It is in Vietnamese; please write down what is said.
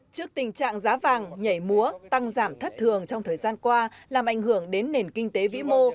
trước tình trạng giá vàng nhảy múa tăng giảm thất thường trong thời gian qua làm ảnh hưởng đến nền kinh tế vĩ mô